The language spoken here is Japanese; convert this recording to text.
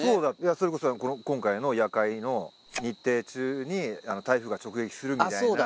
それこそ今回の「夜会」の日程中に台風が直撃するみたいなそうだ